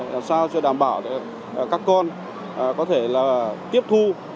làm sao cho đảm bảo để các con có thể là tiếp thu